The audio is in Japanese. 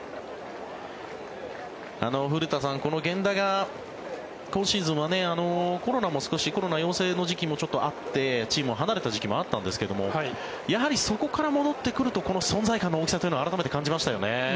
古田さん、この源田が今シーズンはコロナ陽性の時期もあってチームを離れた時期もあったんですけれどもやはり、そこから戻ってくると存在感の大きさ改めて感じましたよね。